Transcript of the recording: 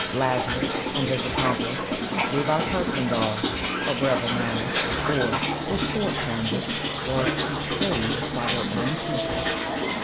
Lazarus and his accomplice Levi Kurtzhandel, or Brevimanus, or "the short handed," were betrayed by their own people.